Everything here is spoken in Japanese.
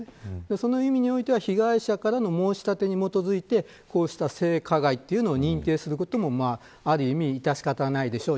そういう意味においては被害者からの申し立てに基づいてこうした性加害というのを認定することもある意味、致し方ないでしょう